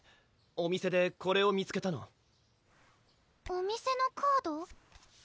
お店でこれを見つけたのお店のカード？